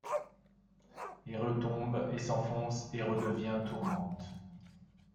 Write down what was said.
Et retombe, et s’enfonce, et redevient, tourmente ;